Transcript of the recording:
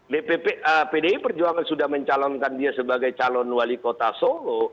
dpp pdi perjuangan sudah mencalonkan dia sebagai calon wali kota solo